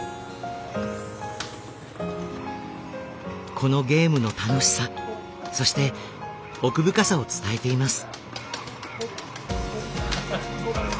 このゲームの楽しさそして奥深さを伝えています。